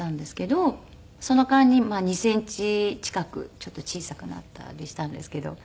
その間にまあ２センチ近くちょっと小さくなったりしたんですけど。